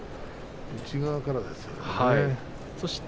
内側からですよね。